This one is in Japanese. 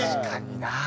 確かにな。